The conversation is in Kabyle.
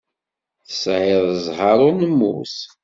Tesɛiḍ ẓẓher ur nemmut.